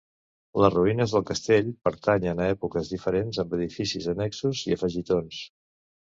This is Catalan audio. Les ruïnes del castell pertanyen a èpoques diferents, amb edificis annexos i afegitons.